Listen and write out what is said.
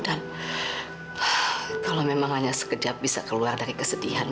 dan kalau memang hanya sekejap bisa keluar dari kesedihan